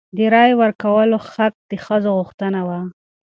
د رایې ورکولو حق د ښځو غوښتنه وه.